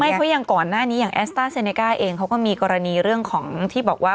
เพราะอย่างก่อนหน้านี้อย่างแอสต้าเซเนก้าเองเขาก็มีกรณีเรื่องของที่บอกว่า